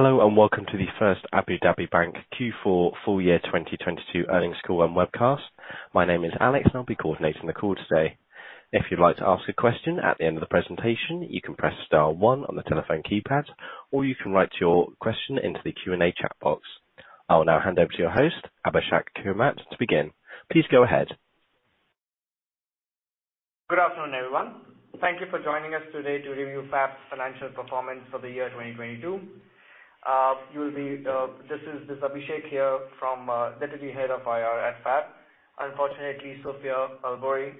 Hello and welcome to the First Abu Dhabi Bank Q4 Full Year 2022 Earnings Call and Webcast. My name is Alex and I'll be coordinating the call today. If you'd like to ask a question at the end of the presentation, you can press star one on the telephone keypad, or you can write your question into the Q&A chat box. I will now hand over to your host, Abhishek Kumar, to begin. Please go ahead. Good afternoon, everyone. Thank you for joining us today to review FAB's financial performance for the year 2022. This is Abhishek here from, Deputy Head of IR at FAB. Unfortunately, Sofya Al Bouri,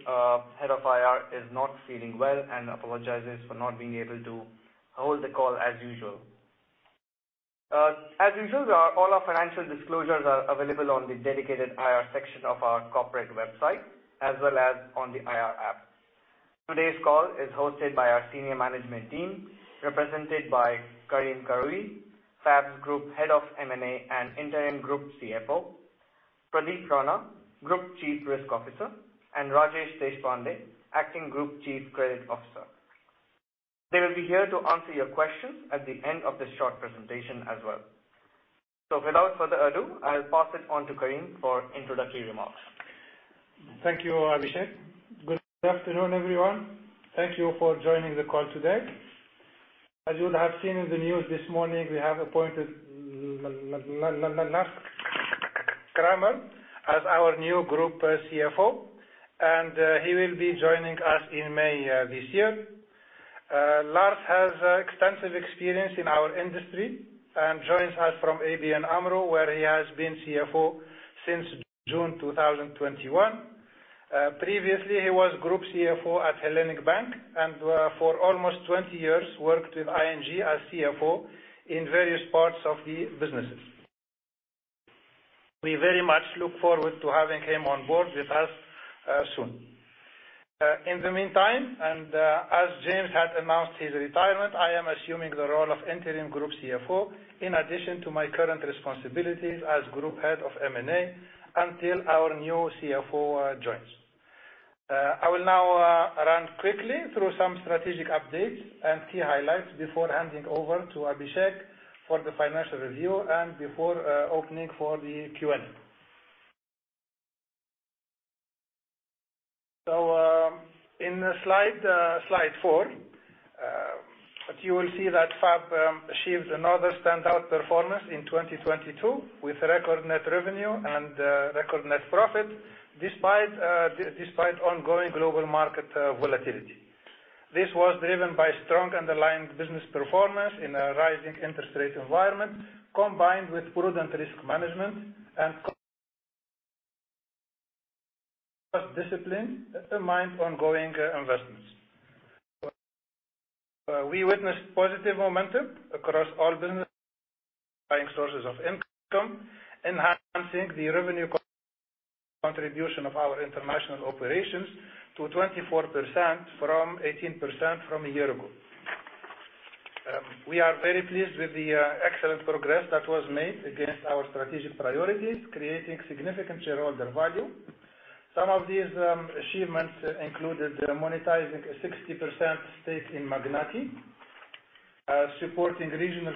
Head of IR, is not feeling well and apologizes for not being able to hold the call as usual. As usual, all our financial disclosures are available on the dedicated IR section of our corporate website, as well as on the IR app. Today's call is hosted by our senior management team, represented by Karim Karoui, FAB's Group Head of M&A and Interim Group CFO, Pradeep Rana, Group Chief Risk Officer, and Rajesh Deshpande, Acting Group Chief Credit Officer. They will be here to answer your questions at the end of this short presentation as well. Without further ado, I'll pass it on to Karim for introductory remarks. Thank you, Abhishek. Good afternoon, everyone. Thank you for joining the call today. As you would have seen in the news this morning, we have appointed Lars Kramer as our new Group CFO, and he will be joining us in May this year. Lars has extensive experience in our industry and joins us from ABN AMRO, where he has been CFO since June 2021. Previously, he was Group CFO at Hellenic Bank, and for almost 20 years, worked with ING as CFO in various parts of the businesses. We very much look forward to having him on board with us soon. In the meantime, and as James had announced his retirement, I am assuming the role of Interim Group CFO, in addition to my current responsibilities as Group Head of M&A until our new CFO joins. I will now run quickly through some strategic updates and key highlights before handing over to Abhishek for the financial review and before opening for the Q&A. In slide four, you will see that FAB achieved another standout performance in 2022 with record net revenue and record net profit, despite ongoing global market volatility. This was driven by strong underlying business performance in a rising interest rate environment, combined with prudent risk management and discipline amidst ongoing investments. We witnessed positive momentum across all business buying sources of income, enhancing the revenue contribution of our international operations to 24% from 18% from a year ago. We are very pleased with the excellent progress that was made against our strategic priorities, creating significant shareholder value. Some of these achievements included monetizing a 60% stake in Magnati, supporting regional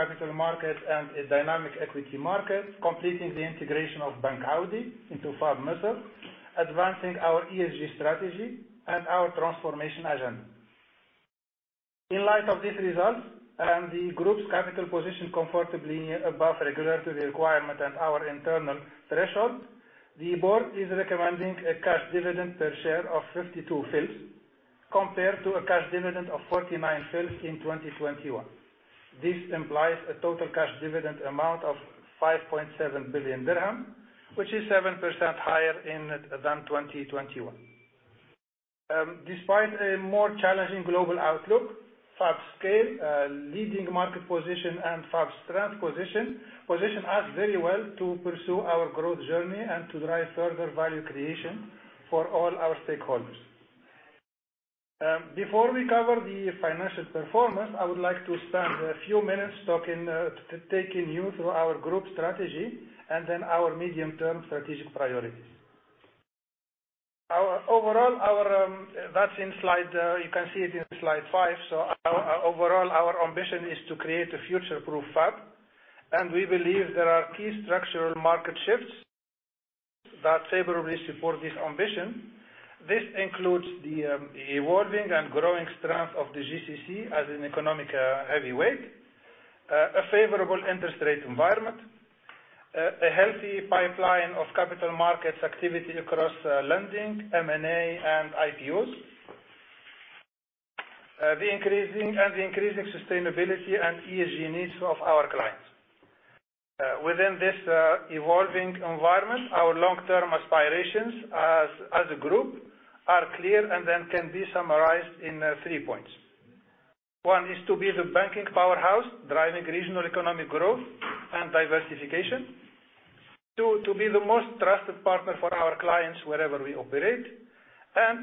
capital markets and a dynamic equity market, completing the integration of Bank Audi into FAB Egypt, advancing our ESG strategy and our transformation agenda. In light of these results and the group's capital position comfortably above regulatory requirement and our internal threshold, the board is recommending a cash dividend per share of 52 fils compared to a cash dividend of 49 fils in 2021. This implies a total cash dividend amount of 5.7 billion dirham, which is 7% higher in than 2021. Despite a more challenging global outlook, FAB's scale, leading market position and FAB's strength position us very well to pursue our growth journey and to drive further value creation for all our stakeholders. Before we cover the financial performance, I would like to spend a few minutes talking, taking you through our group strategy and our medium-term strategic priorities. Overall, our. That's in slide, you can see it in slide five. Overall, our ambition is to create a future-proof FAB, and we believe there are key structural market shifts that favorably support this ambition. This includes the evolving and growing strength of the GCC as an economic heavyweight, a favorable interest rate environment, a healthy pipeline of capital markets activity across lending, M&A, and IPOs. And the increasing sustainability and ESG needs of our clients. Within this evolving environment, our long-term aspirations as a group are clear and can be summarized in three points. One is to be the banking powerhouse, driving regional economic growth and diversification. Two, to be the most trusted partner for our clients wherever we operate.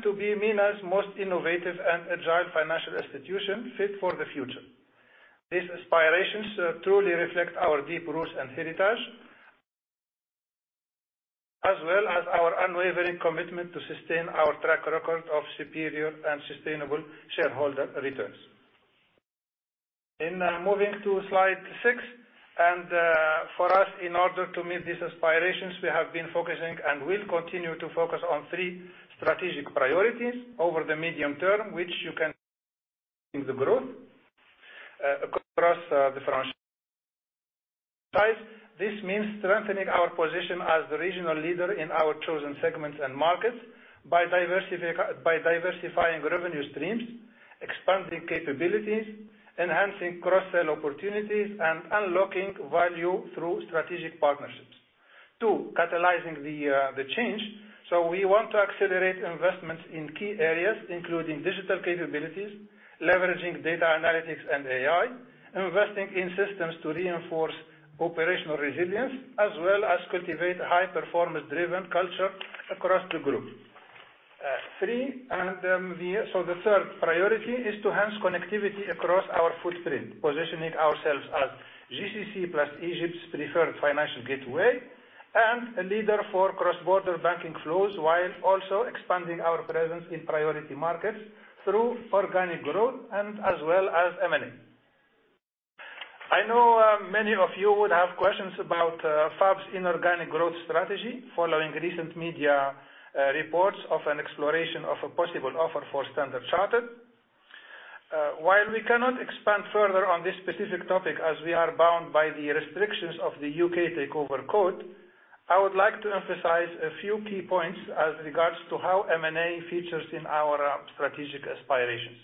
To be MENA's most innovative and agile financial institution fit for the future. These aspirations truly reflect our deep roots and heritage. As well as our unwavering commitment to sustain our track record of superior and sustainable shareholder returns. Moving to slide six. For us, in order to meet these aspirations, we have been focusing and will continue to focus on three strategic priorities over the medium term, which you can... This means strengthening our position as the regional leader in our chosen segments and markets by diversifying revenue streams, expanding capabilities, enhancing cross-sell opportunities, and unlocking value through strategic partnerships. Two, catalyzing the change. We want to accelerate investments in key areas, including digital capabilities, leveraging data analytics and AI, investing in systems to reinforce operational resilience, as well as cultivate a high-performance driven culture across the group. Three. The third priority is to enhance connectivity across our footprint, positioning ourselves as GCC plus Egypt's preferred financial gateway and a leader for cross-border banking flows, while also expanding our presence in priority markets through organic growth and as well as M&A. I know many of you would have questions about FAB's inorganic growth strategy following recent media reports of an exploration of a possible offer for Standard Chartered. While we cannot expand further on this specific topic, as we are bound by the restrictions of the UK takeover code, I would like to emphasize a few key points as regards to how M&A features in our strategic aspirations.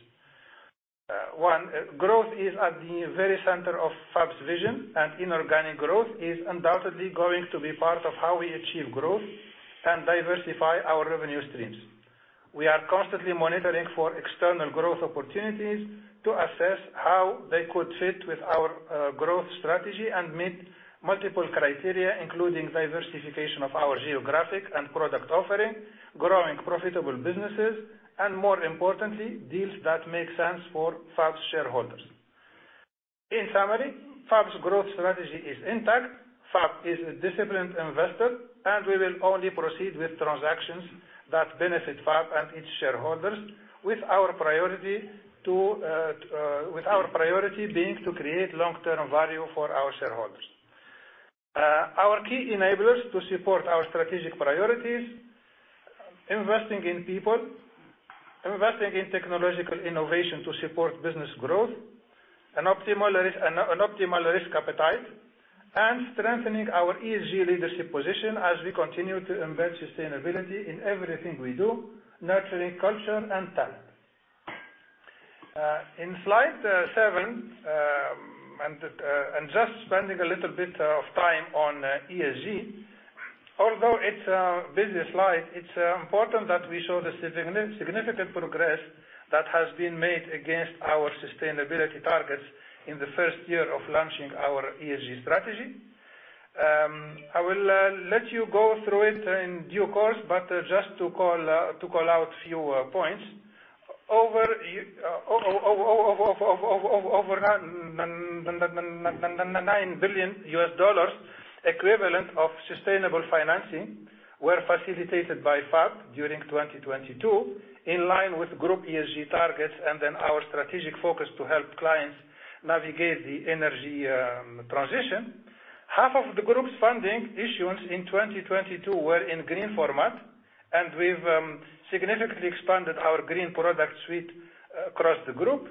One, growth is at the very center of FAB's vision, and inorganic growth is undoubtedly going to be part of how we achieve growth and diversify our revenue streams. We are constantly monitoring for external growth opportunities to assess how they could fit with our growth strategy and meet multiple criteria, including diversification of our geographic and product offering, growing profitable businesses and more importantly, deals that make sense for FAB's shareholders. In summary, FAB's growth strategy is intact. FAB is a disciplined investor, and we will only proceed with transactions that benefit FAB and its shareholders. With our priority being to create long-term value for our shareholders. Our key enablers to support our strategic priorities, investing in people, investing in technological innovation to support business growth and optimal risk, an optimal risk appetite, and strengthening our ESG leadership position as we continue to embed sustainability in everything we do, nurturing culture and talent. In slide seven, and just spending a little bit of time on ESG. Although it's a busy slide, it's important that we show the significant progress that has been made against our sustainability targets in the first year of launching our ESG strategy. I will let you go through it in due course, but just to call out a few points. Over $9 billion US dollars equivalent of sustainable financing were facilitated by FAB during 2022, in line with group ESG targets our strategic focus to help clients navigate the energy transition. Half of the group's funding issuance in 2022 were in green format, we've significantly expanded our green product suite across the group.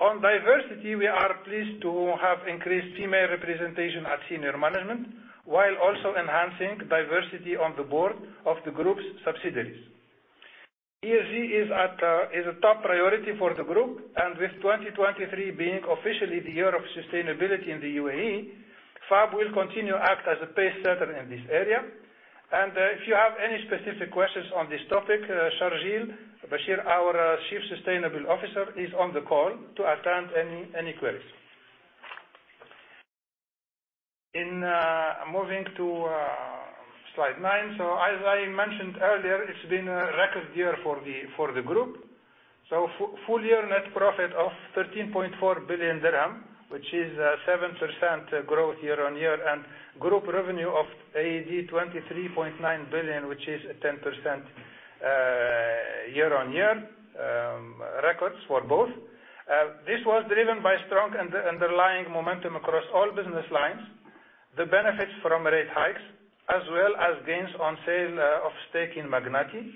On diversity, we are pleased to have increased female representation at senior management, while also enhancing diversity on the board of the group's subsidiaries. ESG is a top priority for the group, with 2023 being officially the year of sustainability in the UAE, FAB will continue act as a pace setter in this area. If you have any specific questions on this topic, Shargiil Bashir, our Chief Sustainability Officer, is on the call to attend any queries. Moving to slide nine. As I mentioned earlier, it's been a record year for the group. full year net profit of 13.4 billion dirham, which is 7% growth year-on-year, and group revenue of AED 23.9 billion, which is a 10% year-on-year records for both. This was driven by strong underlying momentum across all business lines. The benefits from rate hikes as well as gains on sale of stake in Magnati.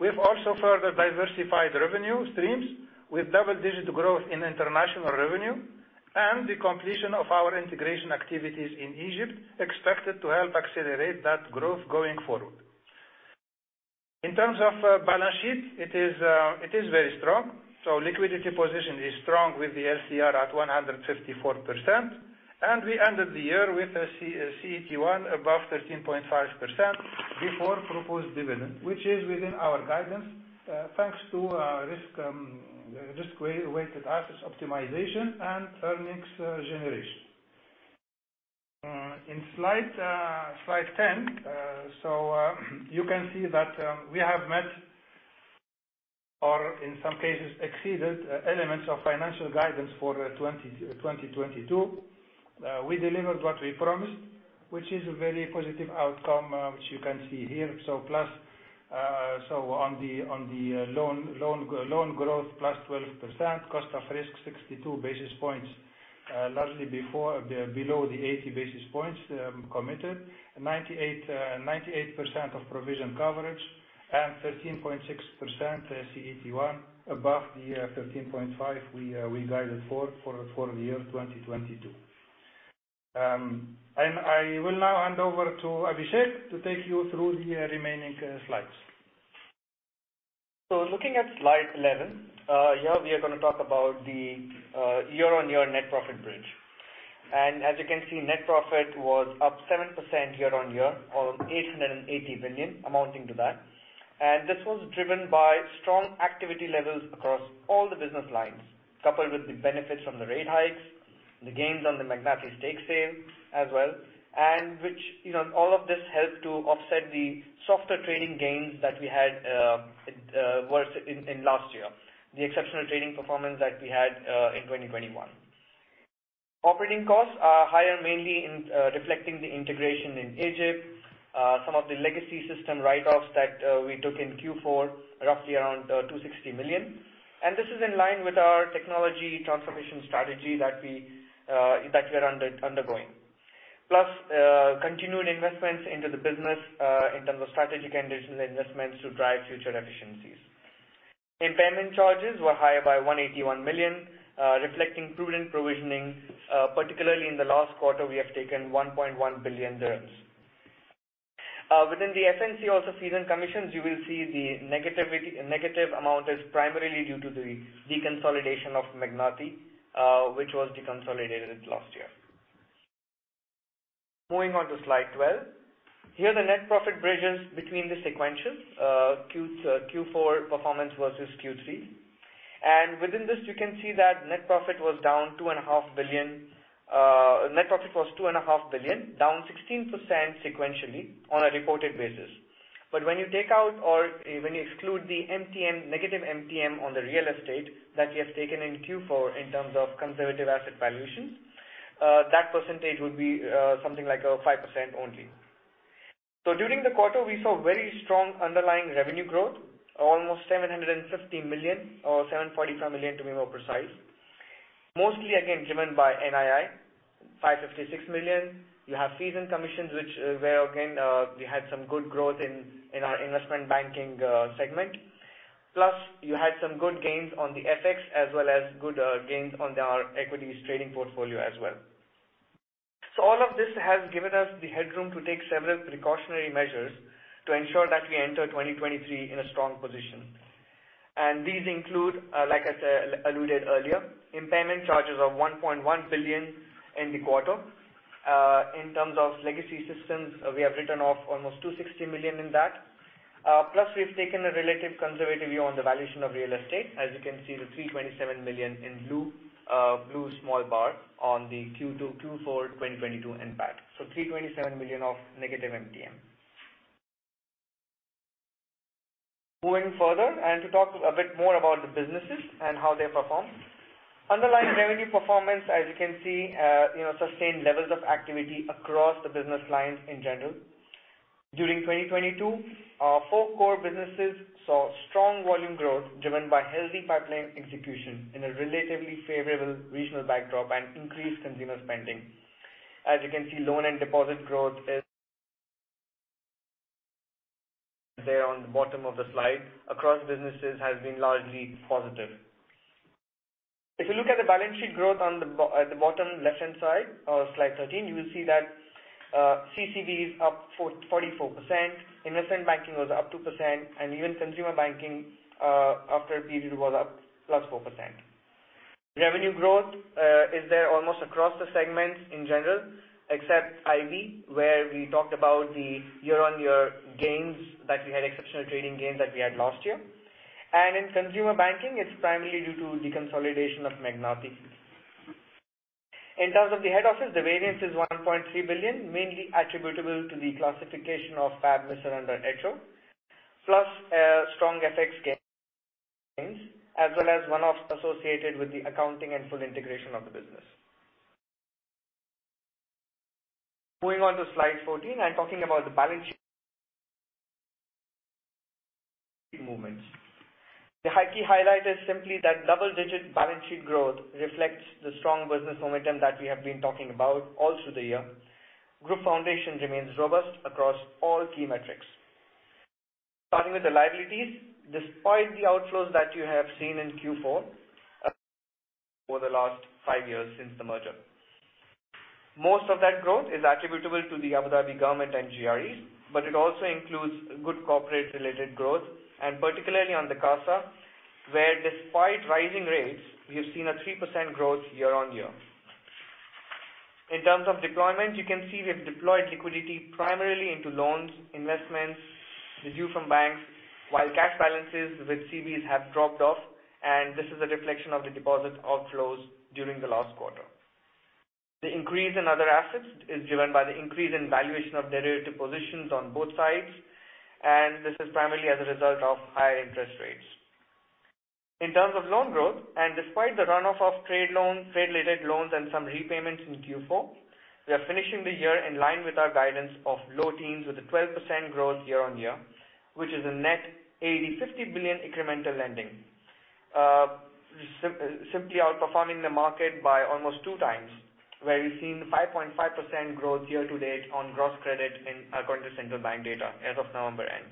We've also further diversified revenue streams with double-digit growth in international revenue. The completion of our integration activities in Egypt expected to help accelerate that growth going forward. In terms of balance sheet, it is very strong. Liquidity position is strong with the LCR at 154%. We ended the year with a CET1 above 13.5% before proposed dividend. Which is within our guidance, thanks to risk-weighted assets optimization and earnings generation. In slide 10, you can see that we have met or in some cases, exceeded elements of financial guidance for 2022. We delivered what we promised, which is a very positive outcome, which you can see here. On the loan growth +12%, cost of risk 62 basis points, largely below the 80 basis points committed. 98% of provision coverage and 13.6% CET1 above the 13.5 we guided for the year 2022. I will now hand over to Abhishek to take you through the remaining slides. Looking at slide 11, here we are gonna talk about the year-on-year net profit bridge. As you can see, net profit was up 7% year-on-year or 880 billion amounting to that. This was driven by strong activity levels across all the business lines, coupled with the benefits from the rate hikes, the gains on the Magnati stake sale as well. Which, you know, all of this helped to offset the softer trading gains that we had worse in last year, the exceptional trading performance that we had in 2021. Operating costs are higher mainly in reflecting the integration in Egypt, some of the legacy system write-offs that we took in Q4, roughly around 260 million. This is in line with our technology transformation strategy that we are undergoing. Plus, continued investments into the business in terms of strategic and digital investments to drive future efficiencies. Impairment charges were higher by 181 million, reflecting prudent provisioning, particularly in the last quarter, we have taken 1.1 billion dirhams. Within the SNC also fees and commissions, you will see the negative amount is primarily due to the deconsolidation of Magnati, which was deconsolidated last year. Moving on to slide 12. Here the net profit bridges between the sequential Q4 performance versus Q3. Within this, you can see that net profit was down 2.5 billion. Net profit was 2.5 billion, down 16% sequentially on a reported basis. When you take out or when you exclude the MTM, negative MTM on the real estate that we have taken in Q4 in terms of conservative asset valuations, that percentage would be something like 5% only. During the quarter, we saw very strong underlying revenue growth, almost 750 million or 745 million, to be more precise. Mostly, again, driven by NII, 556 million. You have fees and commissions, which were again, we had some good growth in our Investment Banking segment. Plus, you had some good gains on the FX as well as good gains on our equities trading portfolio as well. All of this has given us the headroom to take several precautionary measures to ensure that we enter 2023 in a strong position. These include, like I said, alluded earlier, impairment charges of 1.1 billion in the quarter. In terms of legacy systems, we have written off almost 260 million in that. Plus we've taken a relative conservative view on the valuation of real estate. As you can see, the 327 million in blue small bar on the Q2, Q4 2022 impact. 327 million of negative MTM. Moving further and to talk a bit more about the businesses and how they performed. Underlying revenue performance, as you can see, you know, sustained levels of activity across the business lines in general. During 2022, our four core businesses saw strong volume growth driven by healthy pipeline execution in a relatively favorable regional backdrop and increased consumer spending. As you can see, loan and deposit growth is there on the bottom of the slide. Across businesses has been largely positive. If you look at the balance sheet growth at the bottom left-hand side of slide 13, you will see that CCD is up for 44%, Investment Banking was up 2%, and even consumer banking after a period was up +4%. Revenue growth is there almost across the segments in general, except IV, where we talked about the year-on-year gains that we had exceptional trading gains that we had last year. In consumer banking, it's primarily due to deconsolidation of Magnati. In terms of the head office, the variance is 1.3 billion, mainly attributable to the classification of FABMISR under Echo. Plus a strong FX gains, as well as one-offs associated with the accounting and full integration of the business. Moving on to slide 14 and talking about the balance sheet movements. The high key highlight is simply that double-digit balance sheet growth reflects the strong business momentum that we have been talking about all through the year. Group foundation remains robust across all key metrics. Starting with the liabilities, despite the outflows that you have seen in Q4, for the last five years since the merger. Most of that growth is attributable to the Abu Dhabi government and GREs, but it also includes good corporate related growth, and particularly on the CASA, where despite rising rates, we have seen a 3% growth year-over-year. In terms of deployment, you can see we have deployed liquidity primarily into loans, investments, the due from banks, while cash balances with CBs have dropped off. This is a reflection of the deposit outflows during the last quarter. The increase in other assets is driven by the increase in valuation of derivative positions on both sides. This is primarily as a result of higher interest rates. In terms of loan growth and despite the run-off of trade loans, trade-related loans and some repayments in Q4, we are finishing the year in line with our guidance of low teens with a 12% growth year-on-year, which is a net 850 billion incremental lending. Simply outperforming the market by almost two times, where we've seen 5.5% growth year-to-date on gross credit in, according to central bank data as of November end.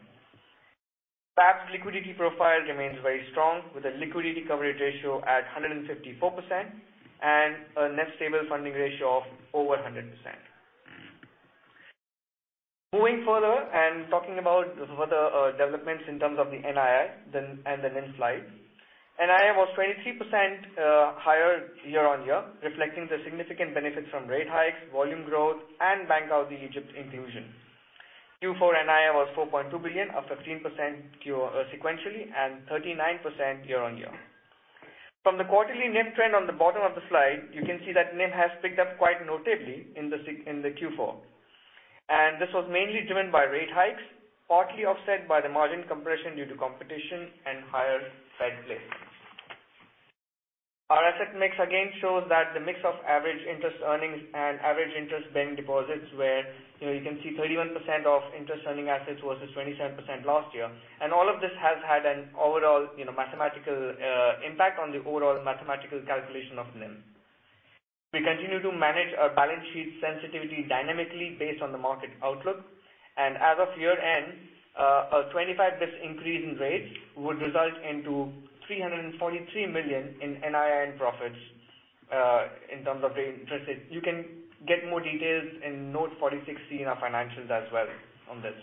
FAB's liquidity profile remains very strong, with a liquidity coverage ratio at 154% and a net stable funding ratio of over 100%. Moving further and talking about further developments in terms of the NII then and the NIM slide. NII was 23% higher year-on-year, reflecting the significant benefits from rate hikes, volume growth and Bank Audi Egypt inclusion. Q4 NII was 4.2 billion, up 15% year sequentially, and 39% year-on-year. From the quarterly NIM trend on the bottom of the slide, you can see that NIM has picked up quite notably in the Q4, and this was mainly driven by rate hikes, partly offset by the margin compression due to competition and higher Fed place. Our asset mix again shows that the mix of average interest earnings and average interest-bearing deposits, where, you know, you can see 31% of interest-earning assets versus 27% last year. All of this has had an overall, you know, mathematical impact on the overall mathematical calculation of NIM. We continue to manage our balance sheet sensitivity dynamically based on the market outlook. As of year-end, a 25 bits increase in rates would result into 343 million in NII profits in terms of the interest. You can get more details in note 46 in our financials as well on this.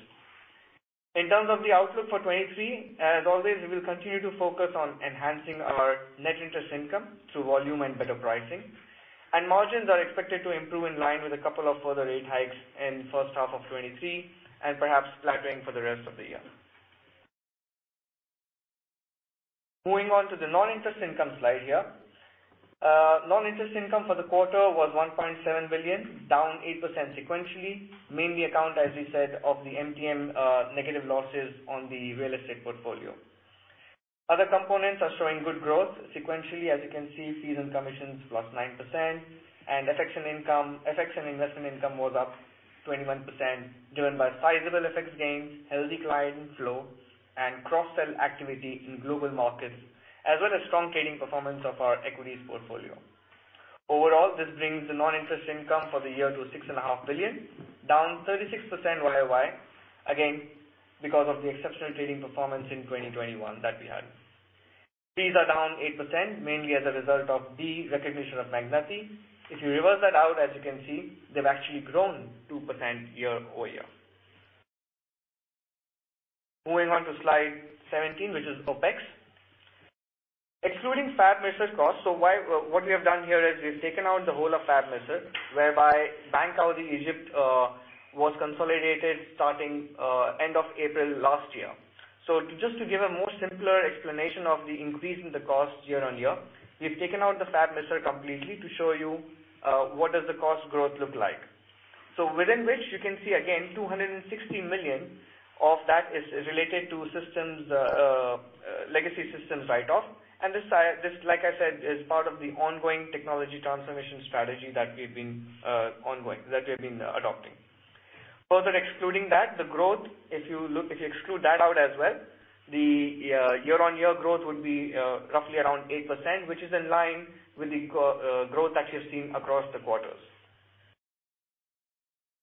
In terms of the outlook for 2023, as always, we will continue to focus on enhancing our Net Interest Income through volume and better pricing. Margins are expected to improve in line with a couple of further rate hikes in first half of 2023 and perhaps flattering for the rest of the year. Moving on to the non-interest income slide here. Non-interest income for the quarter was 1.7 billion, down 8% sequentially. Mainly account, as we said, of the MTM negative losses on the real estate portfolio. Other components are showing good growth sequentially. As you can see, fees and commissions +9% and FX and income, FX and investment income was up 21%, driven by sizable FX gains, healthy client flow and cross-sell activity in global markets, as well as strong trading performance of our equities portfolio. Overall, this brings the non-interest income for the year to six and a half billion, down 36% Y-o-Y. Because of the exceptional trading performance in 2021 that we had. Fees are down 8%, mainly as a result of the recognition of Magnati. If you reverse that out, as you can see, they've actually grown 2% year-over-year. Moving on to slide 17, which is OpEx. Excluding FABMISR costs, what we have done here is we've taken out the whole of FABMISR, whereby Bank Audi Egypt was consolidated starting end of April last year. Just to give a simpler explanation of the increase in the cost year-on-year, we've taken out the FABMISR completely to show you what does the cost growth look like. Within which you can see again, 260 million of that is related to systems, legacy systems write-off. This I, this, like I said, is part of the ongoing technology transformation strategy that we've been adopting. Further excluding that, the growth, if you look, if you exclude that out as well, the year-on-year growth would be roughly around 8%, which is in line with the growth that you're seeing across the quarters.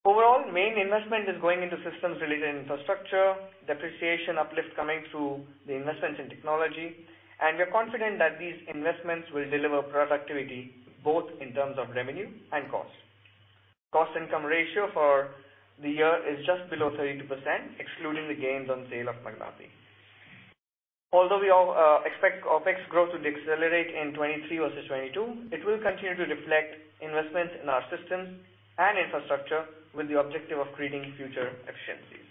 Overall, main investment is going into systems related infrastructure, depreciation, uplift coming through the investments in technology, and we are confident that these investments will deliver productivity both in terms of revenue and costs. Cost income ratio for the year is just below 32%, excluding the gains on sale of Magnati. Although we all expect OpEx growth to decelerate in 2023 versus 2022, it will continue to reflect investments in our systems and infrastructure with the objective of creating future efficiencies.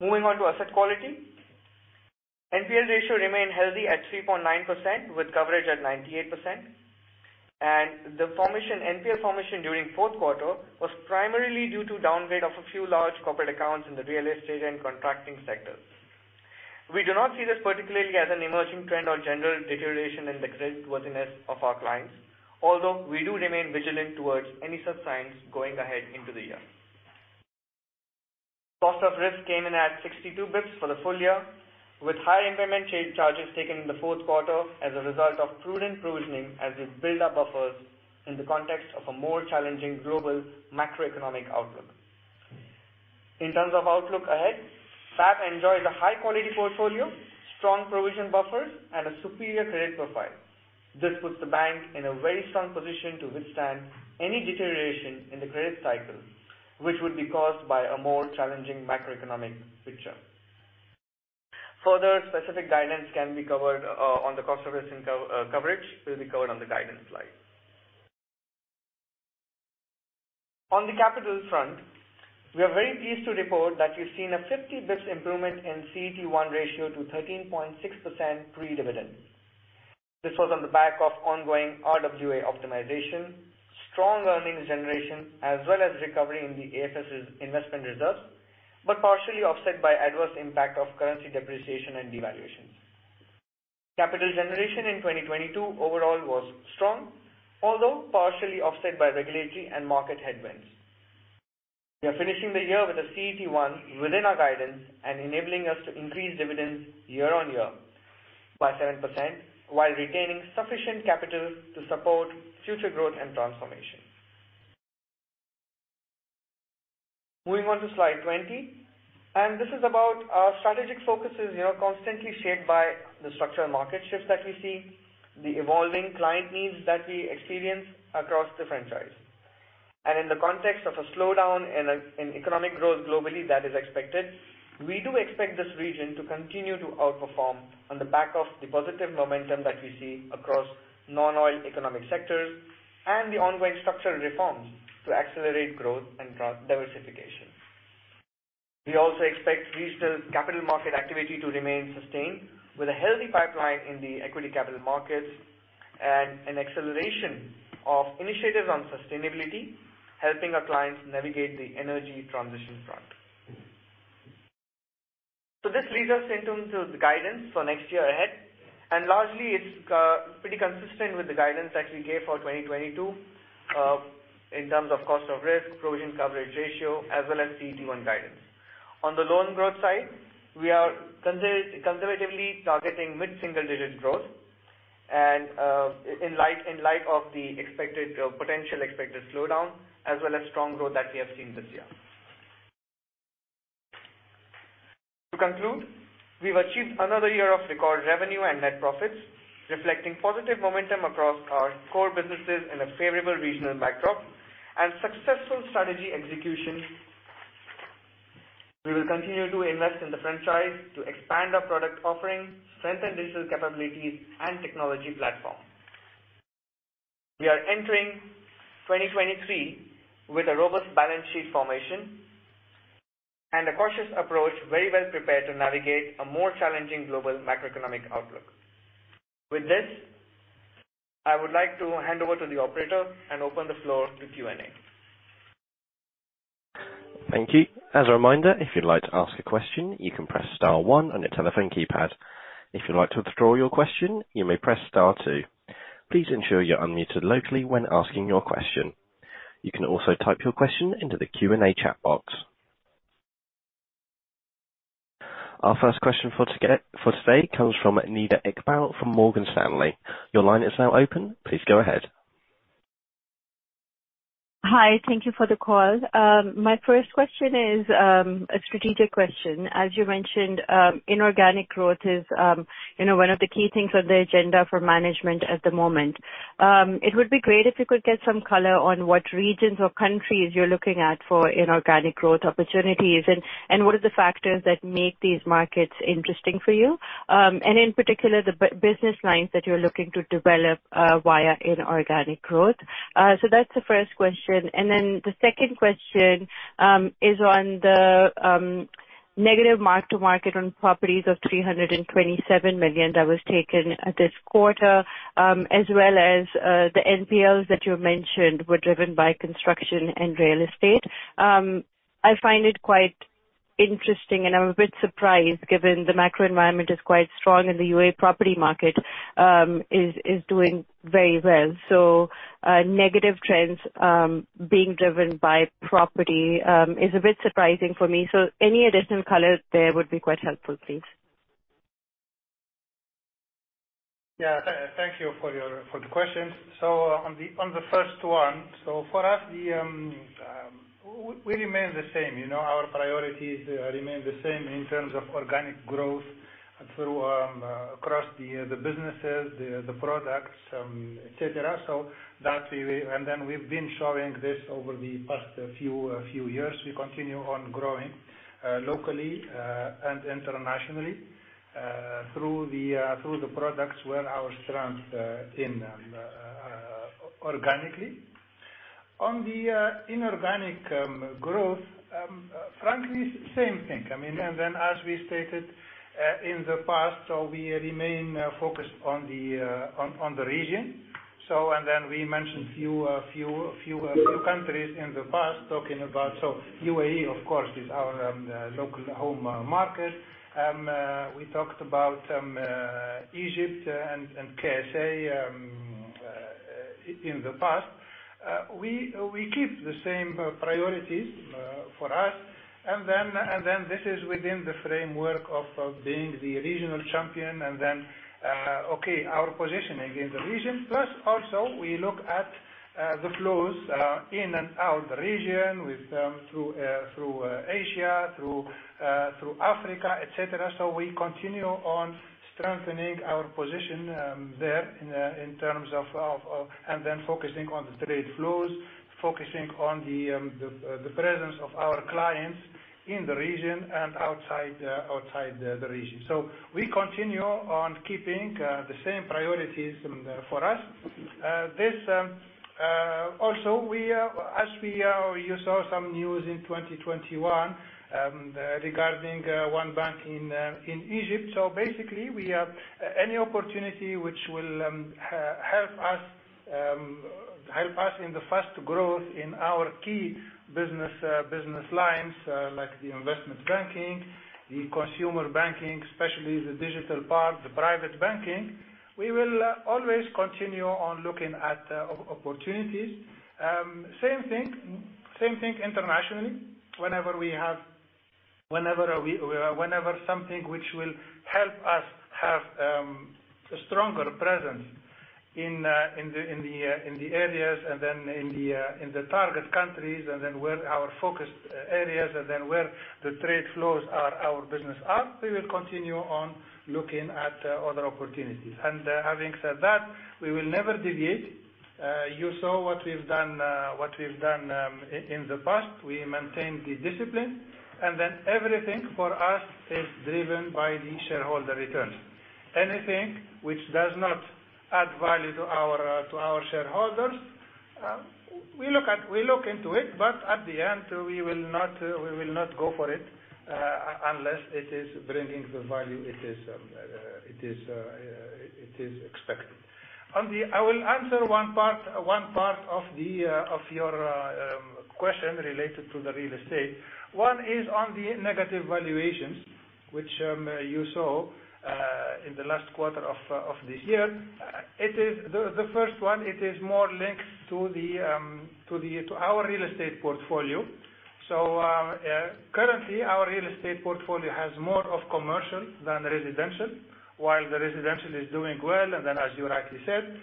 Moving on to asset quality. NPL ratio remained healthy at 3.9%, with coverage at 98%. NPL formation during fourth quarter was primarily due to downgrade of a few large corporate accounts in the real estate and contracting sectors. We do not see this particularly as an emerging trend or general deterioration in the creditworthiness of our clients, although we do remain vigilant towards any such signs going ahead into the year. Cost of risk came in at 62 bits for the full year, with higher impairment charges taken in the fourth quarter as a result of prudent provisioning as we build our buffers in the context of a more challenging global macroeconomic outlook. In terms of outlook ahead, FAB enjoys a high-quality portfolio, strong provision buffers and a superior credit profile. This puts the bank in a very strong position to withstand any deterioration in the credit cycle, which would be caused by a more challenging macroeconomic picture. Further specific guidance can be covered on the cost of risk and coverage will be covered on the guidance. On the capital front, we are very pleased to report that we've seen a 50 basis points improvement in CET1 ratio to 13.6% pre-dividend. This was on the back of ongoing RWA optimization, strong earnings generation, as well as recovery in the AFS' investment results, but partially offset by adverse impact of currency depreciation and devaluations. Capital generation in 2022 overall was strong, although partially offset by regulatory and market headwinds. We are finishing the year with a CET1 within our guidance and enabling us to increase dividends year-on-year by 7% while retaining sufficient capital to support future growth and transformation. Moving on to slide 20. This is about our strategic focuses. We are constantly shaped by the structural market shifts that we see, the evolving client needs that we experience across the franchise. In the context of a slowdown in economic growth globally that is expected, we do expect this region to continue to outperform on the back of the positive momentum that we see across non-oil economic sectors and the ongoing structural reforms to accelerate growth and diversification. We also expect retail capital market activity to remain sustained with a healthy pipeline in the equity capital markets and an acceleration of initiatives on sustainability, helping our clients navigate the energy transition front. This leads us into the guidance for next year ahead, and largely it's pretty consistent with the guidance that we gave for 2022 in terms of cost of risk, provision coverage ratio, as well as CET1 guidance. On the loan growth side, we are conservatively targeting mid-single-digit growth and in light of the expected potential expected slowdown as well as strong growth that we have seen this year. To conclude, we've achieved another year of record revenue and net profits, reflecting positive momentum across our core businesses in a favorable regional backdrop and successful strategy execution. We will continue to invest in the franchise to expand our product offerings, strengthen digital capabilities and technology platform. We are entering 2023 with a robust balance sheet formation and a cautious approach, very well prepared to navigate a more challenging global macroeconomic outlook. With this, I would like to hand over to the operator and open the floor to Q&A. Thank you. As a reminder, if you'd like to ask a question, you can press star one on your telephone keypad. If you'd like to withdraw your question, you may press star two. Please ensure you're unmuted locally when asking your question. You can also type your question into the Q&A chat box. Our first question for today comes from Nida Iqbal from Morgan Stanley. Your line is now open. Please go ahead. Hi. Thank you for the call. My first question is a strategic question. As you mentioned, inorganic growth is, you know, one of the key things on the agenda for management at the moment. It would be great if you could get some color on what regions or countries you're looking at for inorganic growth opportunities and what are the factors that make these markets interesting for you, and in particular, the business lines that you're looking to develop via inorganic growth. That's the first question. The second question is on the negative mark-to-market on properties of 327 million that was taken this quarter, as well as the NPLs that you mentioned were driven by construction and real estate. I find it quite interesting and I'm a bit surprised given the macro environment is quite strong and the UAE property market is doing very well. Negative trends being driven by property is a bit surprising for me. Any additional color there would be quite helpful, please. Yeah. Thank you for your, for the questions. On the first one, for us, the we remain the same. You know, our priorities remain the same in terms of organic growth through across the businesses, the products, et cetera. That we... We've been showing this over the past few years. We continue on growing locally and internationally through the products where our strengths in organically. On the inorganic growth, frankly, same thing. I mean, as we stated in the past, we remain focused on the region. We mentioned few countries in the past talking about... UAE, of course, is our local home market. We talked about Egypt and KSA in the past. We keep the same priorities for us. This is within the framework of being the regional champion and then, okay, our positioning in the region. Plus also we look at the flows in and out the region with through Asia, through Africa, et cetera. We continue on strengthening our position there in terms of. Focusing on the trade flows, focusing on the presence of our clients in the region and outside the region. We continue on keeping the same priorities for us. This also we, as we, you saw some news in 2021 regarding one bank in Egypt. Basically, we have any opportunity which will help us in the first growth in our key business business lines, like the Investment Banking, the consumer banking, especially the digital part, the private banking. We will always continue on looking at opportunities. Same thing, same thing internationally. Whenever something which will help us have a stronger presence in the areas and then in the target countries and then where our focus areas and then where the trade flows are our business are, we will continue on looking at other opportunities. Having said that, we will never deviate. You saw what we've done in the past. We maintain the discipline, everything for us is driven by the shareholder returns. Anything which does not add value to our shareholders, we look into it, but at the end, we will not go for it unless it is bringing the value it is expected. I will answer one part of your question related to the real estate. One is on the negative valuations, which you saw in the last quarter of this year. The first one, it is more linked to our real estate portfolio. Currently, our real estate portfolio has more of commercial than residential, while the residential is doing well, as you rightly said.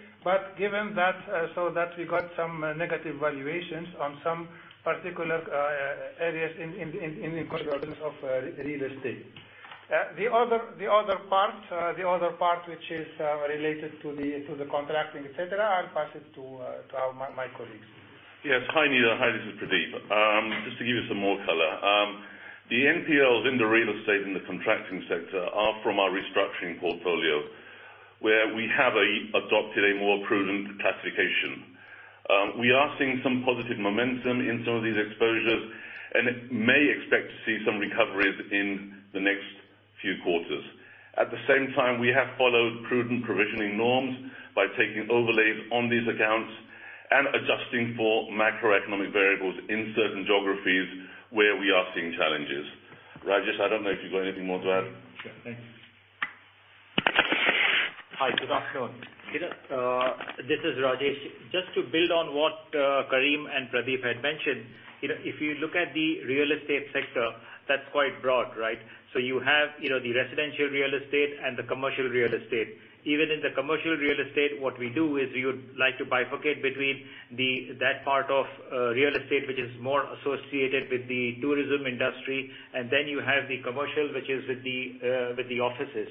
Given that, we got some negative valuations on some particular areas in the portfolios of real estate. The other part, which is related to the contracting, et cetera, I'll pass it to my colleagues. Yes. Hi, Nida. Hi, this is Pradeep. Just to give you some more color. The NPLs in the real estate and the contracting sector are from our restructuring portfolio, where we have adopted a more prudent classification. We are seeing some positive momentum in some of these exposures, and may expect to see some recoveries in the next few quarters.At the same time, we have followed prudent provisioning norms by taking overlays on these accounts and adjusting for macroeconomic variables in certain geographies where we are seeing challenges. Rajesh, I don't know if you've got anything more to add. Sure. Thanks. Hi, good afternoon. You know, this is Rajesh. Just to build on what Karim and Pradeep had mentioned. You know, if you look at the real estate sector, that's quite broad, right? You have, you know, the residential real estate and the commercial real estate. Even in the commercial real estate, what we do is you would like to bifurcate between the, that part of real estate which is more associated with the tourism industry, and then you have the commercial, which is with the offices.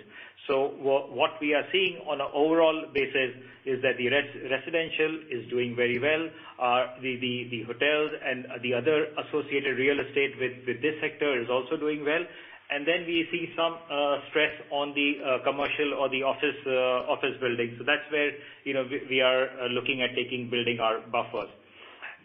What we are seeing on an overall basis is that the residential is doing very well. The, the hotels and the other associated real estate with this sector is also doing well. We see some stress on the commercial or the office office buildings. That's where, you know, we are looking at taking, building our buffers.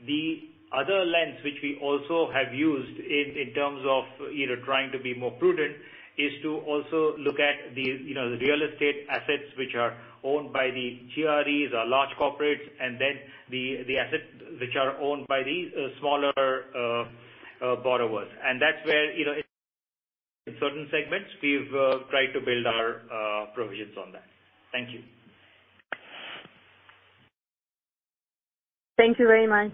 The other lens which we also have used in terms of, you know, trying to be more prudent is to also look at the, you know, real estate assets which are owned by the GREs or large corporates, and then the assets which are owned by the smaller borrowers. That's where, you know, in certain segments, we've tried to build our provisions on that. Thank you. Thank you very much.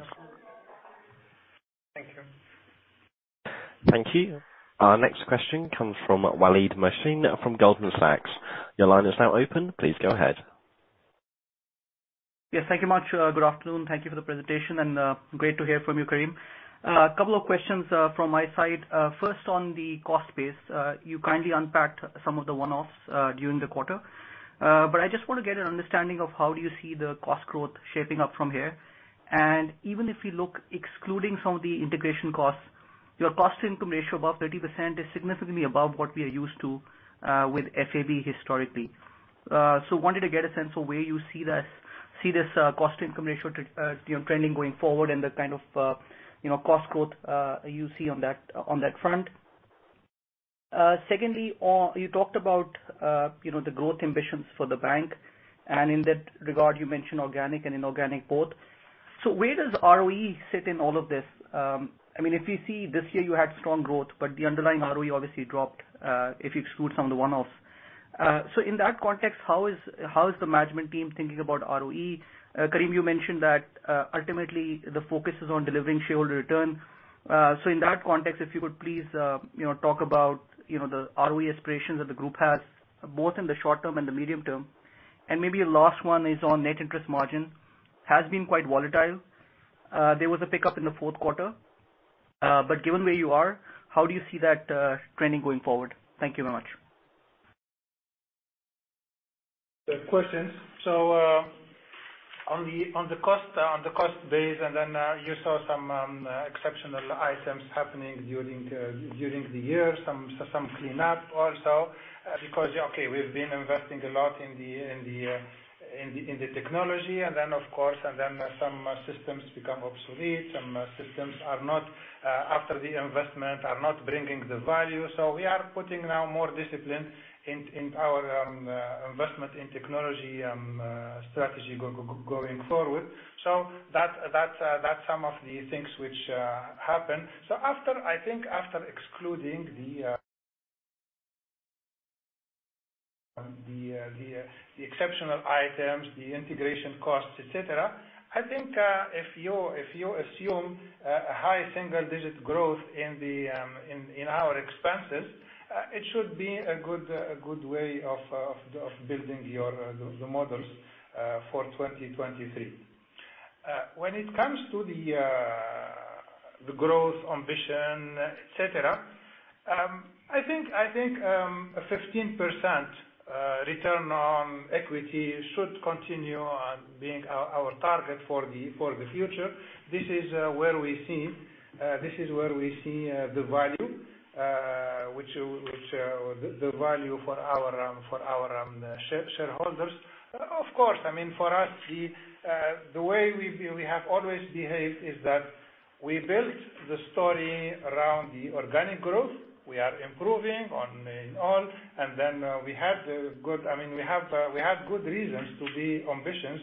Thank you. Thank you. Our next question comes from Waleed El-Amir from Goldman Sachs. Your line is now open. Please go ahead. Yes, thank you much. Good afternoon. Thank you for the presentation, and great to hear from you, Kareem. A couple of questions from my side. First on the cost base. You kindly unpacked some of the one-offs during the quarter. I just want to get an understanding of how do you see the cost growth shaping up from here. Even if you look excluding some of the integration costs, your cost-income ratio above 30% is significantly above what we are used to with FAB historically. Wanted to get a sense of where you see this cost-income ratio, you know, trending going forward and the kind of, you know, cost growth you see on that, on that front. Secondly, you talked about, you know, the growth ambitions for the bank. In that regard, you mentioned organic and inorganic both. Where does ROE sit in all of this? I mean, if you see this year you had strong growth, but the underlying ROE obviously dropped, if you exclude some of the one-offs. In that context, how is the management team thinking about ROE? Kareem, you mentioned that, ultimately the focus is on delivering shareholder return. In that context, if you could please, you know, talk about, you know, the ROE aspirations that the group has, both in the short term and the medium term. Maybe a last one is on net interest margin. Has been quite volatile. There was a pickup in the fourth quarter. Given where you are, how do you see that trending going forward? Thank you very much. The questions. On the cost base you saw some exceptional items happening during the year. Some clean up also because okay, we've been investing a lot in the technology and then of course, some systems become obsolete, some systems are not after the investment, are not bringing the value. We are putting now more discipline in our investment in technology strategy going forward. That's some of the things which happen. After... I think after excluding the exceptional items, the integration costs, et cetera, I think if you assume a high single-digit growth in our expenses, it should be a good way of building your models for 2023. When it comes to the growth ambition, et cetera, I think 15% return on equity should continue on being our target for the future. This is where we see the value, which or the value for our shareholders. Of course, I mean, for us the way we've been, we have always behaved is that we built the story around the organic growth. We are improving on in all. I mean, we had good reasons to be ambitious,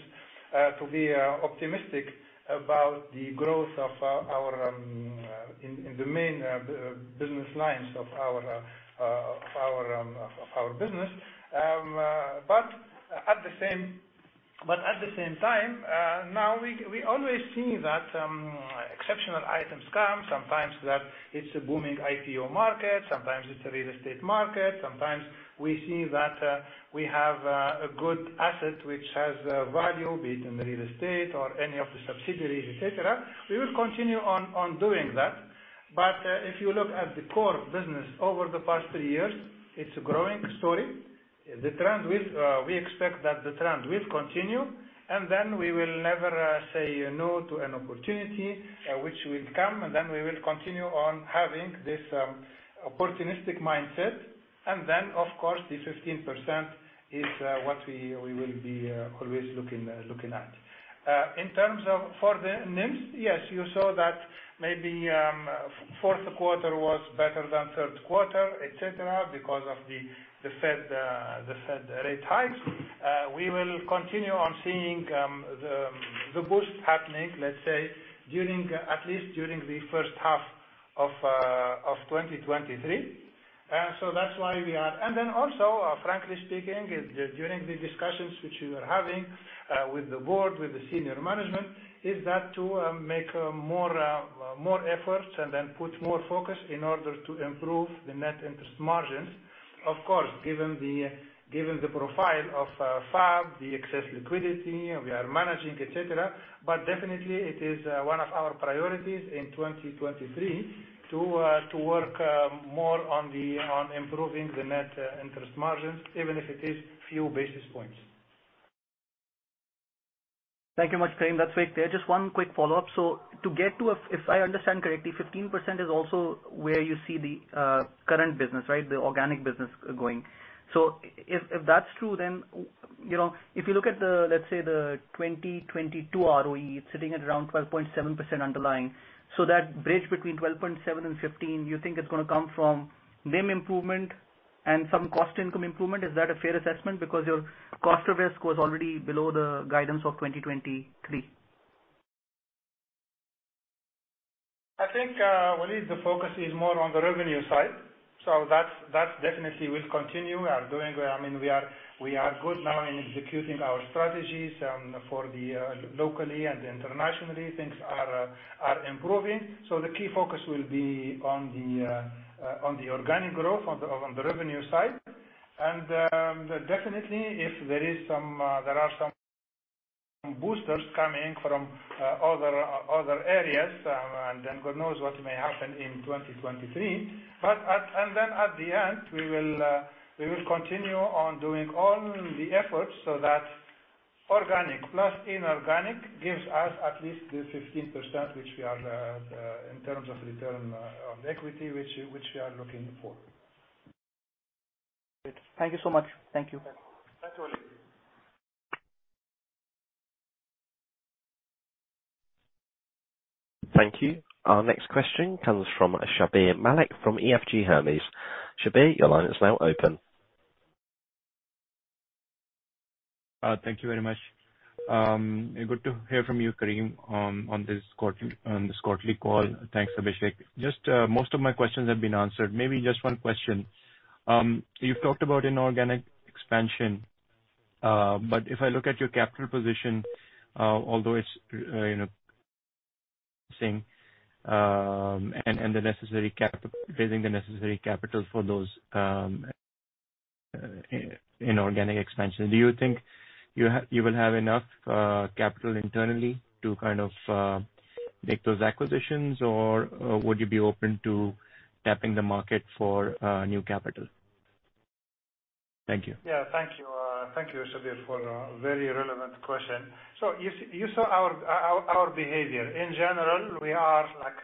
to be optimistic about the growth of our in the main business lines of our of our business. But at the same time, now we always see that exceptional items come sometimes that it's a booming IPO market, sometimes it's a real estate market. Sometimes we see that we have a good asset which has value, be it in real estate or any of the subsidiaries, et cetera. We will continue on doing that. If you look at the core business over the past three years, it's a growing story. The trend will, we expect that the trend will continue, we will never say no to an opportunity which will come, we will continue on having this opportunistic mindset. Of course, the 15% is what we will be always looking at. In terms of for the NIMs, yes, you saw that maybe, fourth quarter was better than third quarter, et cetera, because of the Fed rate hikes. We will continue on seeing the boost happening, let's say, during, at least during the first half of 2023. That's why we are... Also, frankly speaking, during the discussions which we were having with the board, with the senior management, is that to make more efforts and then put more focus in order to improve the net interest margins. Of course, given the profile of FAB, the excess liquidity we are managing, et cetera. Definitely it is one of our priorities in 2023 to work more on improving the net interest margins, even if it is few basis points. Thank you much, Karim. That's great. Yeah, just one quick follow-up. To get to a... If I understand correctly, 15% is also where you see the current business, right? The organic business going. If, if that's true, then, you know, if you look at the, let's say the 2022 ROE, it's sitting at around 12.7% underlying. That bridge between 12.7% and 15%, you think it's gonna come from NIM improvement and some cost income improvement? Is that a fair assessment? Because your cost of risk was already below the guidance of 2023. I think, Waleed, the focus is more on the revenue side. That definitely will continue. I mean, we are good now in executing our strategies locally and internationally. Things are improving. The key focus will be on the organic growth on the revenue side. Definitely if there is some, there are some boosters coming from other areas, God knows what may happen in 2023. At the end, we will continue on doing all the efforts so that organic plus inorganic gives us at least the 15%, which we are in terms of return on equity, which we are looking for. Great. Thank you so much. Thank you. Thanks, Waleed. Thank you. Our next question comes from Shabbir Malik from EFG Hermes. Shabbir, your line is now open. Thank you very much. Good to hear from you, Karim, on this quarter, on this quarterly call. Thanks, Abhishek. Just, most of my questions have been answered. Maybe just one question. You've talked about inorganic expansion, but if I look at your capital position, although it's, you know, seeing, and the necessary capital, raising the necessary capital for those inorganic expansion. Do you think you will have enough capital internally to kind of make those acquisitions or would you be open to tapping the market for new capital? Thank you. Yeah, thank you. Thank you, Shabbir, for a very relevant question. You saw our behavior. In general, we are like,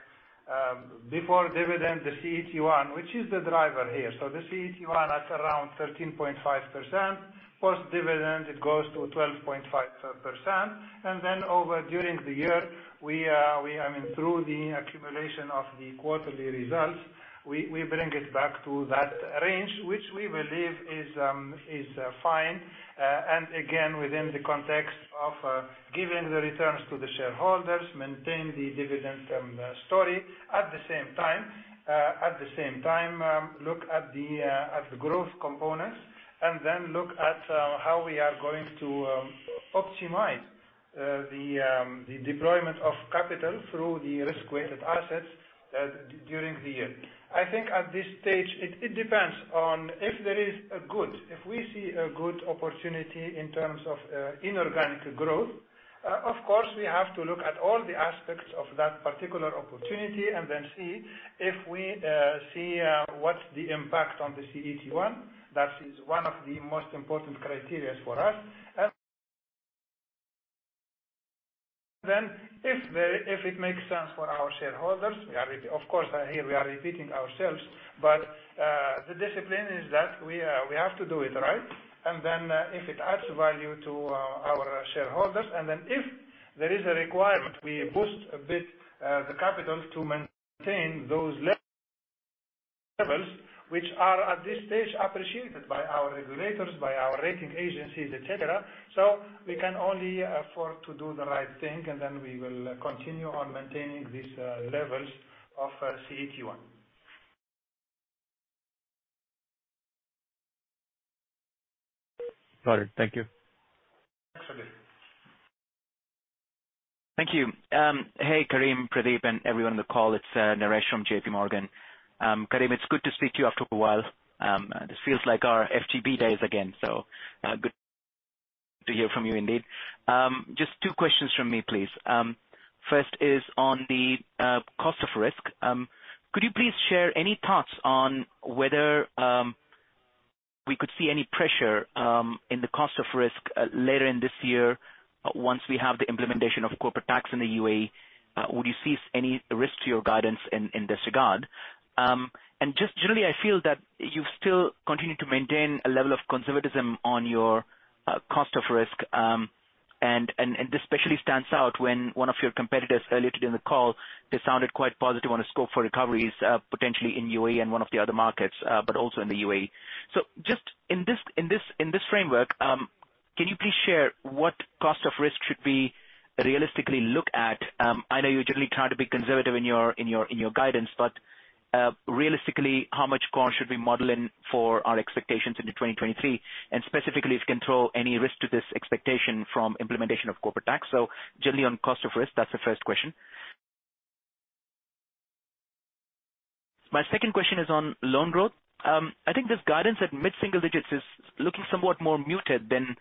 before dividend, the CET1, which is the driver here. The CET1 at around 13.5%, post dividend, it goes to 12.5%. Over during the year, we are, I mean, through the accumulation of the quarterly results, we bring it back to that range, which we believe is fine, and again, within the context of giving the returns to the shareholders, maintain the dividend story. At the same time, at the same time, look at the growth components, look at how we are going to optimize the deployment of capital through the risk-weighted assets during the year. I think at this stage it depends on if there is a good opportunity in terms of inorganic growth. Of course, we have to look at all the aspects of that particular opportunity and then see if we see what's the impact on the CET1. That is one of the most important criteria for us. If it makes sense for our shareholders, we are repeating ourselves, but the discipline is that we have to do it, right? If it adds value to our shareholders, if there is a requirement, we boost a bit the capital to maintain those levels, which are at this stage appreciated by our regulators, by our rating agencies, etc. We can only afford to do the right thing, and then we will continue on maintaining these levels of CET1. Got it. Thank you. Thanks, Shabbir. Thank you. Hey, Karim, Pradeep, and everyone on the call. It's Naresh Bilandani from JPMorgan. Karim, it's good to speak to you after a while. This feels like our FGB days again, so good to hear from you indeed. Just two questions from me, please. First is on the cost of risk. Could you please share any thoughts on whether we could see any pressure in the cost of risk later in this year once we have the implementation of Corporate Tax in the UAE? Would you see any risk to your guidance in this regard? Just generally, I feel that you've still continued to maintain a level of conservatism on your cost of risk. This especially stands out when one of your competitors earlier today in the call, they sounded quite positive on the scope for recoveries, potentially in UAE and one of the other markets, but also in the UAE. Just in this framework, can you please share what cost of risk should we realistically look at? I know you generally try to be conservative in your guidance, but realistically, how much cost should we model in for our expectations into 2023? Specifically, if you can throw any risk to this expectation from implementation of Corporate Tax. Generally on cost of risk, that's the first question. My second question is on loan growth. I think this guidance at mid-single digits is looking somewhat more muted than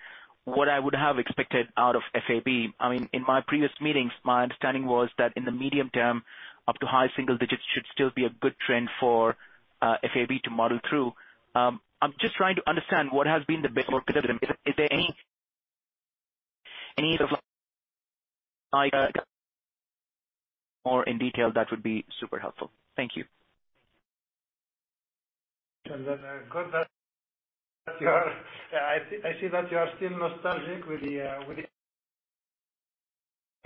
what I would have expected out of FAB. I mean, in my previous meetings, my understanding was that in the medium term, up to high single digits should still be a good trend for FAB to model through. I'm just trying to understand what has been the bit more conservative. Is there any of Or in detail, that would be super helpful? Thank you. Good that you are. I see that you are still nostalgic with the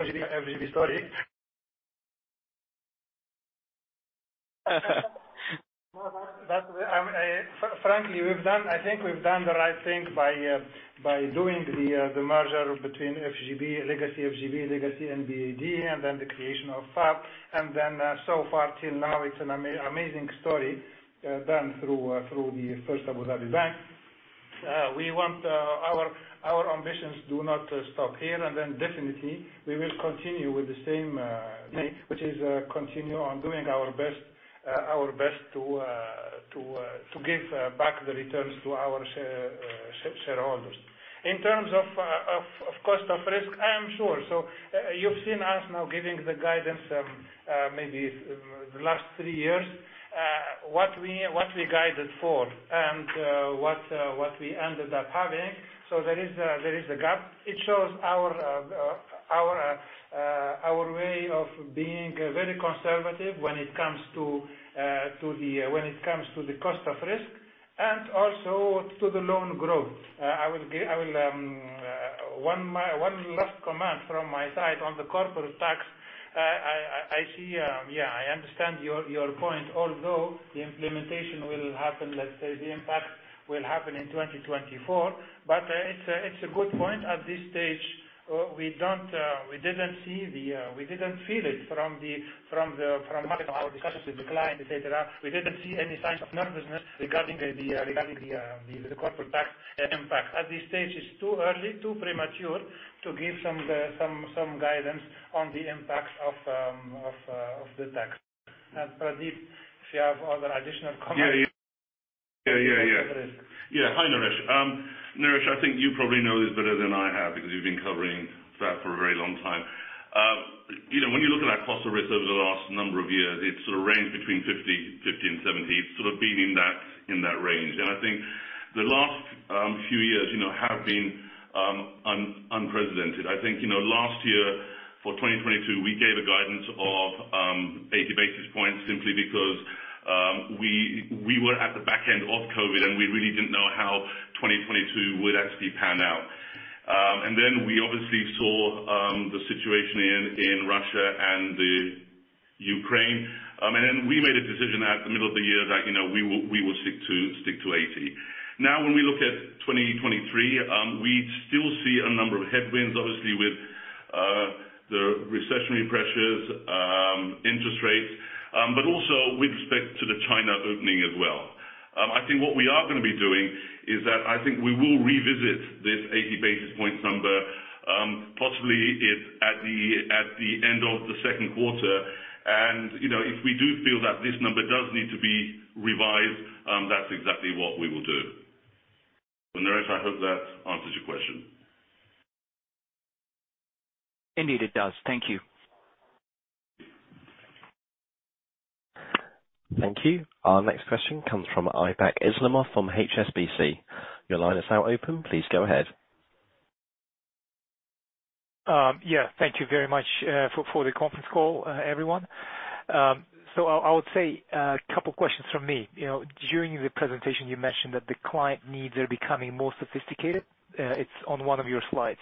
FGB story. No, but, frankly, we've done. I think we've done the right thing by doing the merger between FGB, legacy FGB, legacy NBAD, and then the creation of FAB. So far till now, it's an amazing story done through the First Abu Dhabi Bank. We want our ambitions do not stop here and then definitely we will continue with the same pace, which is continue on doing our best, our best to give back the returns to our shareholders. In terms of cost of risk, I am sure. giving the guidance, maybe the last three years, what we guided for and what we ended up having. There is a gap. It shows our way of being very conservative when it comes to the cost of risk and also to the loan growth. I will give one last comment from my side on the Corporate Tax. I understand your point. Although the implementation will happen, let's say the impact will happen in 2024, but it's a good point At this stage, we didn't see the, we didn't feel it from the market or discussions with the client, et cetera. We didn't see any signs of nervousness regarding the Corporate Tax impact. At this stage, it's too early, too premature to give some guidance on the impacts of the tax. Pradeep, if you have other additional comments. Yeah, yeah. Yeah. Hi, Naresh. Naresh, I think you probably know this better than I have because you've been covering that for a very long time. You know, when you look at our cost of risk over the last number of years, it sort of ranged between 50 and 70. It's sort of been in that range. I think the last few years, you know, have been unprecedented. I think, you know, last year, for 2022, we gave a guidance of 80 basis points simply because we were at the back end of COVID, and we really didn't know how 2022 would actually pan out. Then we obviously saw the situation in Russia and the Ukraine, then we made a decision at the middle of the year that, you know, we will stick to 80. When we look at 2023, we still see a number of headwinds, obviously, with the recessionary pressures, interest rates, but also with respect to the China opening as well. I think what we are gonna be doing is that I think we will revisit this 80 basis points number, possibly if at the end of the second quarter, and, you know, if we do feel that this number does need to be revised, that's exactly what we will do. Naresh, I hope that answers your question. Indeed, it does. Thank you. Thank you. Our next question comes from Ayberk Islam from HSBC. Your line is now open. Please go ahead. Yeah, thank you very much for the conference call, everyone. I would say, a couple questions from me. You know, during the presentation you mentioned that the client needs are becoming more sophisticated. It's on one of your slides.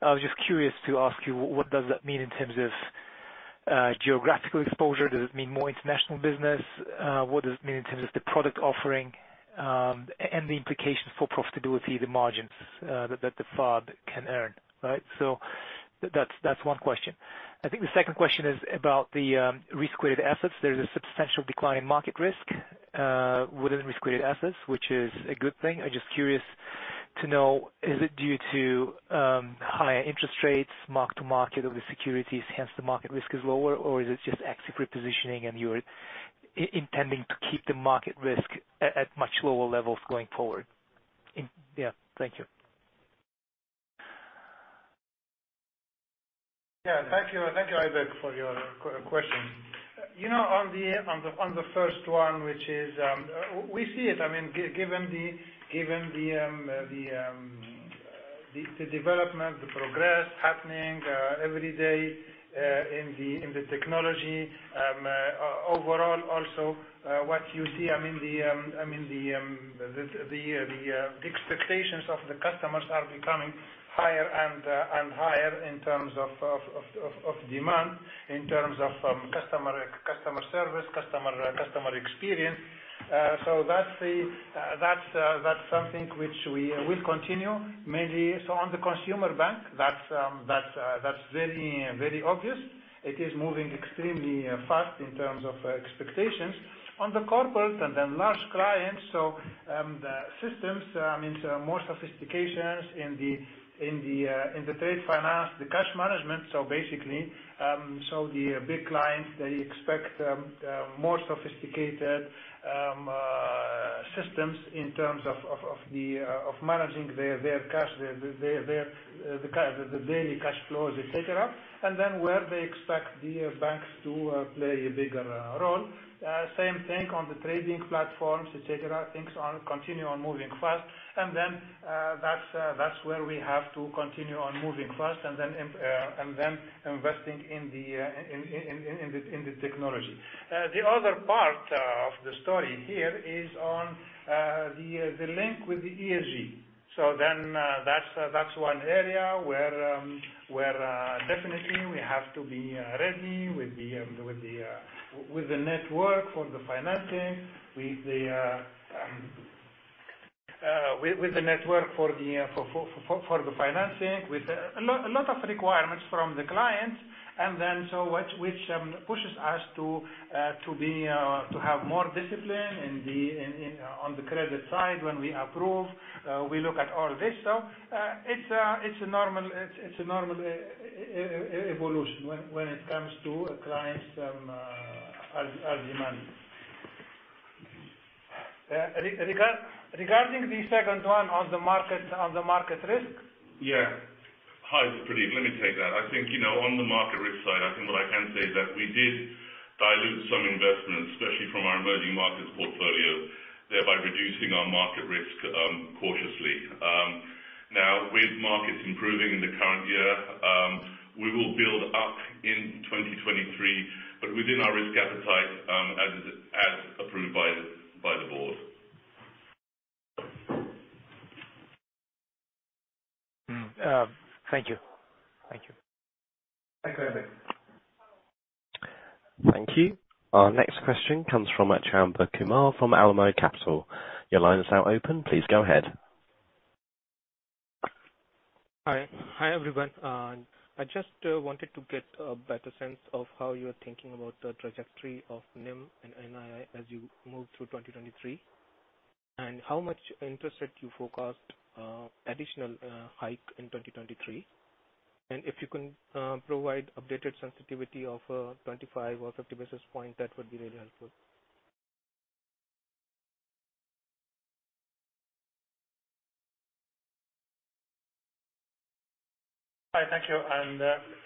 I was just curious to ask you, what does that mean in terms of geographical exposure? Does it mean more international business? What does it mean in terms of the product offering, and the implications for profitability, the margins that FAB can earn, right? That's one question. I think the second question is about the risk-weighted assets. There's a substantial decline in market risk within risk-weighted assets, which is a good thing. I'm just curious to know, is it due to higher interest rates, Mark-to-Market of the securities, hence the market risk is lower, or is it just active repositioning and you're intending to keep the market risk at much lower levels going forward? Yeah. Thank you. Yeah. Thank you. Thank you, Ayberk, for your questions. You know, on the first one, which is, we see it. I mean, given the, given the, the development, the progress happening every day in the technology, overall also, what you see, I mean, the, I mean, the, the expectations of the customers are becoming higher and higher in terms of demand, in terms of customer service, customer experience. So that's the, that's something which we will continue. Maybe. So on the consumer bank, that's very, very obvious. It is moving extremely fast in terms of expectations. On the corporate and then large clients, the systems means more sophistications in the, in the, in the trade finance, the cash management. Basically, the big clients, they expect more sophisticated systems in terms of, of the, of managing their cash, their, their, the daily cash flows, et cetera. Where they expect the banks to play a bigger role. Same thing on the trading platforms, et cetera. Things are continue on moving fast. That's where we have to continue on moving fast and then investing in the, in, in the, in the technology. The other part of the story here is on the link with the ESG. That's, that's one area where, definitely we have to be ready with the network for the financing, with the network for the financing. A lot of requirements from the clients and then so which pushes us to be to have more discipline in on the credit side when we approve, we look at all this. It's a normal, it's a normal evolution when it comes to a client's, as demanded. Regarding the second one on the market risk. Yeah. Hi, Pradeep. Let me take that. I think, you know, on the market risk side, I think what I can say is that we did dilute some investments, especially from our emerging markets portfolio, thereby reducing our market risk, cautiously. Now, with markets improving in the current year, we will build up in 2023, but within our risk appetite, as approved by the board. Thank you. Thank you. Thanks, Ayberk. Thank you. Our next question comes from Shayan Brahme from Al Ramz Capital. Your line is now open. Please go ahead. Hi. Hi, everyone. I just wanted to get a better sense of how you're thinking about the trajectory of NIM and NII as you move through 2023, and how much interest rate you forecast additional hike in 2023. If you can provide updated sensitivity of 25 or 50 basis points, that would be really helpful. All right, thank you.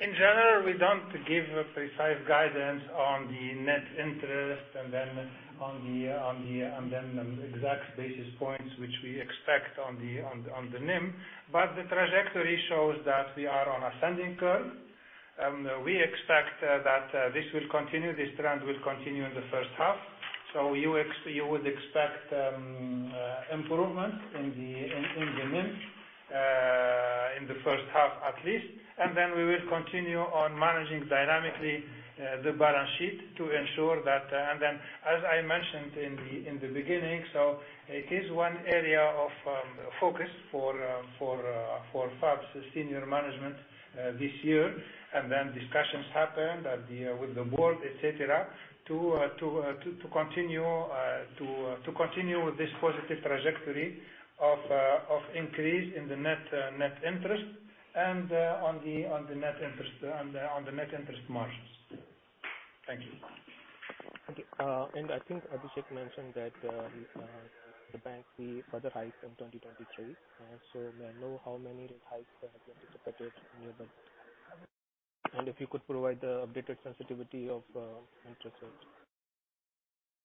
In general, we don't give a precise guidance on the net interest and exact basis points which we expect on the NIM. The trajectory shows that we are on ascending curve, and we expect that this will continue, this trend will continue in the first half. You would expect improvement in the NIM in the first half at least. We will continue on managing dynamically the balance sheet to ensure that as I mentioned in the beginning, it is one area of focus for FAB's senior management this year. Discussions happened at the with the board, et cetera, to continue this positive trajectory of increase in the net interest and on the net interest margins. Thank you. Okay. I think Abhishek mentioned that the bank see further hike in 2023. May I know how many rate hikes have been anticipated in your budget? If you could provide the updated sensitivity of interest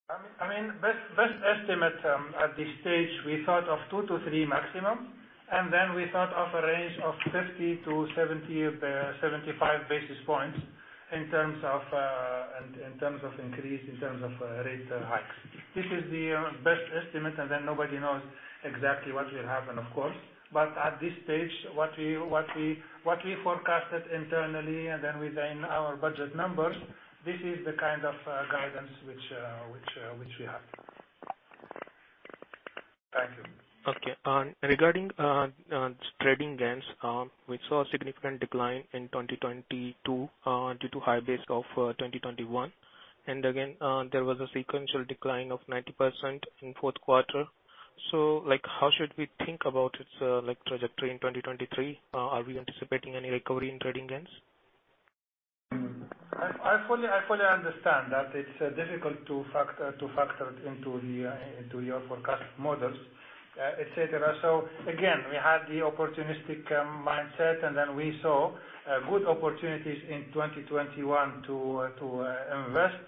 rates. I mean, best estimate, at this stage, we thought of two-three maximum, and then we thought of a range of 50-75 basis points in terms of, in terms of increase, in terms of rate hikes. This is the best estimate, and then nobody knows exactly what will happen, of course. At this point stage what we forecasted internally and then within our budget numbers, this is the kind of guidance which we have. Thank you. Okay. Regarding trading gains, we saw a significant decline in 2022 due to high base of 2021. Again, there was a sequential decline of 90% in fourth quarter. Like, how should we think about its like trajectory in 2023? Are we anticipating any recovery in trading gains? I fully understand that it's difficult to factor into your forecast models, et cetera. Again, we had the opportunistic mindset, and then we saw good opportunities in 2021 to invest.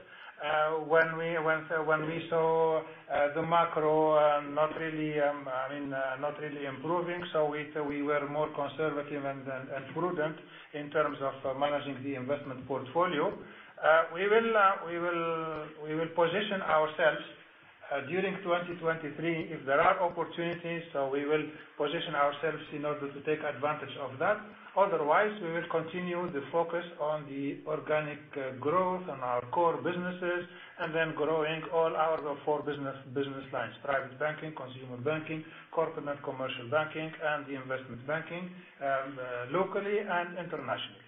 When we saw the macro not really, I mean, not really improving, so we were more conservative and prudent in terms of managing the investment portfolio. We will position ourselves during 2023 if there are opportunities, so we will position ourselves in order to take advantage of that. Otherwise, we will continue the focus on the organic growth and our core businesses, and then growing all our four business lines, private banking, consumer banking, corporate commercial banking, and the Investment Banking, locally and internationally.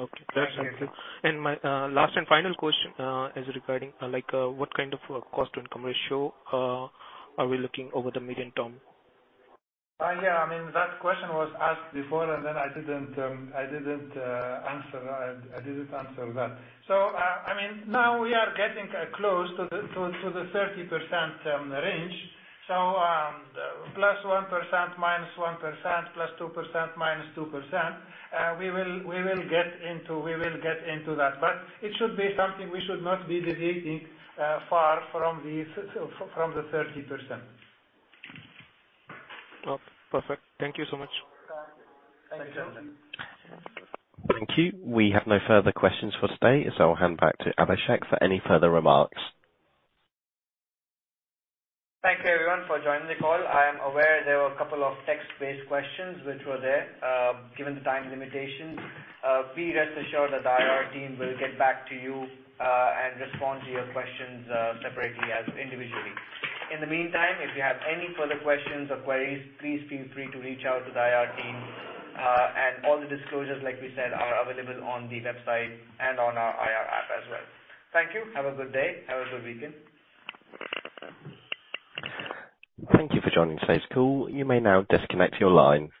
Okay, that's helpful. Thank you. My last and final question, is regarding like, what kind of a cost to income ratio, are we looking over the medium term? Yeah, I mean, that question was asked before. I didn't answer. I didn't answer that. I mean, now we are getting close to the 30% range. Plus 1%, minus 1%, plus 2%, minus 2%, we will get into that. It should be something we should not be deviating far from the 30%. Oh, perfect. Thank you so much. Thank you. Thank you. Thank you. We have no further questions for today. I'll hand back to Abhishek for any further remarks. Thank you everyone for joining the call. I am aware there were a couple of text-based questions which were there. Given the time limitations, be rest assured that our team will get back to you and respond to your questions separately as individually.In the meantime, if you have any further questions or queries, please feel free to reach out to the IR team. And all the disclosures, like we said, are available on the website and on our IR app as well. Thank you. Have a good day. Have a good weekend. Thank you for joining today's call. You may now disconnect your line.